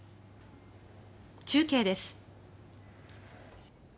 中継です。